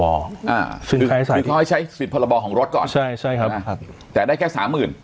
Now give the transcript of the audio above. คือเขาให้ใช้สิทธิพรบของรถก่อนใช่ใช่ครับแต่ได้แค่สามหมื่น